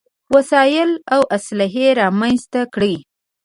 وسايل او اسلحې رامنځته کړې.